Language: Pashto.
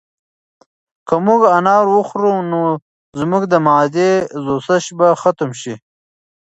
که موږ انار وخورو نو زموږ د معدې سوزش به ختم شي.